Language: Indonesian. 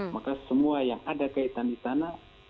maka semua yang ada kaitan di sana